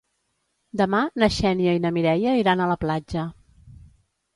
Demà na Xènia i na Mireia iran a la platja.